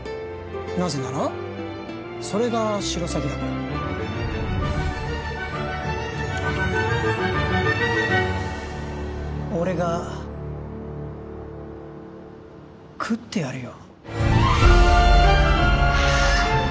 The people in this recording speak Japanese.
なぜならそれがシロサギだから俺が喰ってやるよ